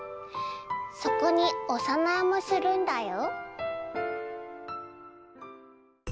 そこにお供えもするんだよ。